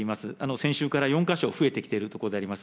先週から４か所、増えてきているところであります。